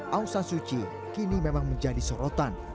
aung san suu kyi kini memang menjadi sorotan